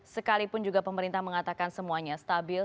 sekalipun juga pemerintah mengatakan semuanya stabil